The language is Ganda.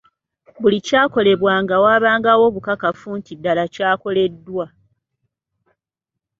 Buli kyakolebwanga waabangawo obukakafu nti ddala kyakoleddwa.